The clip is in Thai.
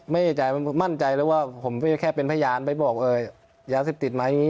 ไม่เอกใจมั่นใจเลยว่าผมไม่แค่เป็นพยานไปบอกเออยาวสิบติดมาอย่างงี้